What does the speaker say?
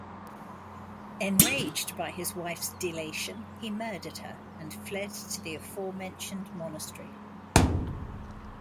Enraged by his wife's delation, he murdered her and fled to the aforementioned monastery.